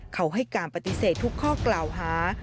เขาให้การปฏิเสธทุกข้อกล่าวหา